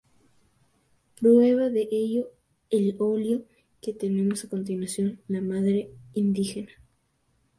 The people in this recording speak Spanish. Prueba de ello, el óleo que tenemos a continuación: "La madre indígena".